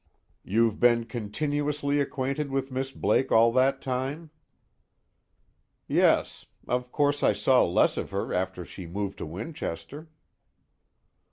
"You've been continuously acquainted with Miss Blake all that time?" "Yes. Of course I saw less of her after she moved to Winchester."